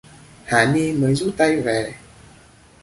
Hà Ni mới rút tay về